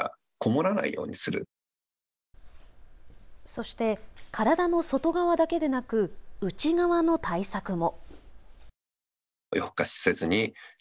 そして体の外側だけでなく内側の対策も。